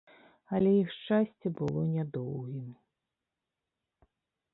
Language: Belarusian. Але іх шчасце было нядоўгім.